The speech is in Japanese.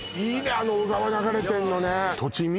あの小川流れてんのね